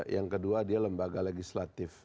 yang kedua dia lembaga legislatif